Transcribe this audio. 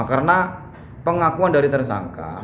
karena pengakuan dari tersangka